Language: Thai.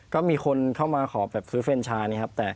ก็มีคนเข้ามาขอแบบซื้อเฟรนชานี่ครับ